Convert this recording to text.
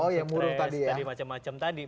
oh ya murung tadi ya stress tadi macam macam tadi